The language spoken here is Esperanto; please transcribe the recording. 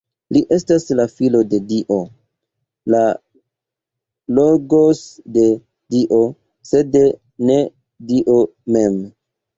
Li estas la Filo de Dio, la "Logos" de Dio, sed ne Dio mem.